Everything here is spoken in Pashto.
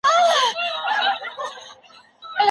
مجرمينو ته سزا ورکول په ټولنه کي څه پايلې لري؟